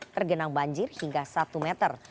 tergenang banjir hingga satu meter